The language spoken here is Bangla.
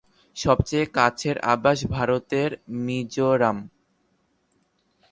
সবচেয়ে কাছের আবাস ভারতের মিজোরাম।